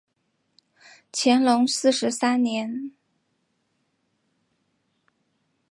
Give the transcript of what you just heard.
乾隆四十三年。